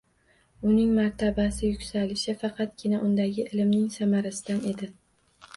Uning martabasi yuksalishi faqatgina undagi ilmning samarasidan edi